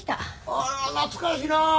あら懐かしいなあ。